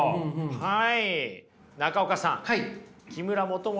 はい。